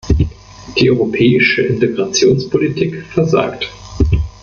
Die europäische Integrationspolitik versagt.